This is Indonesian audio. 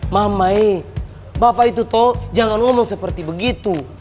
mamai bapak itu toh jangan ngomong seperti begitu